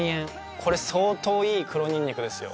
これ相当いい黒にんにくですよ。